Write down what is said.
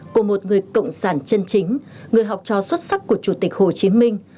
của một người cộng sản chân chính người học trò xuất sắc của chủ tịch hồ chí minh